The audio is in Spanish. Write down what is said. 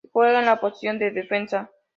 Juega en la posición de defensa.